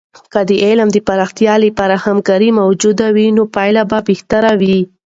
که د علم د پراختیا لپاره همکارۍ موجودې وي، نو پایلې به بهتره وي.